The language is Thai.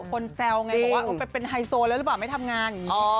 คนแซวไงเป็นไฮโซแล้วหรือเปล่าไม่ทำงาน